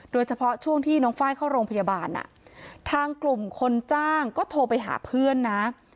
โดยเฉพาะช่วงที่น้องไฟล์เข้าโรงพยาบาลทางกลุ่มคนจ้างก็โทรไปหาเพื่อนนะ